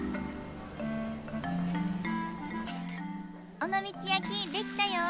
尾道焼き出来たよ。